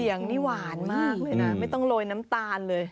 เสียงนี่หวานมากเลยนะไม่ต้องโรยน้ำตาลเลย